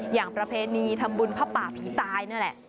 อย่างประเพณีธรรมบุญผ้าป่าผีตายนั่นแหละ